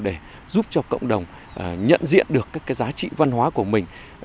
để giúp cho cộng đồng nhận diện được các cái giá trị văn hóa của mình